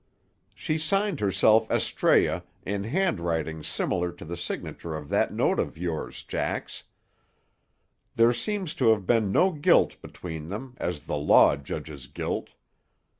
She signed herself Astræa, in handwriting similar to the signature of that note of yours, Jax. There seems to have been no guilt between them, as the law judges guilt.